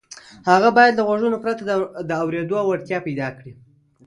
هغه باید له غوږونو پرته د اورېدو وړتیا پیدا کړي